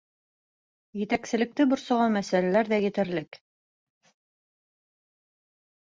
Етәкселекте борсоған мәсьәләләр ҙә етерлек.